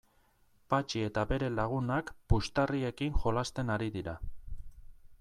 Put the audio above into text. Patxi eta bere lagunak puxtarriekin jolasten ari dira.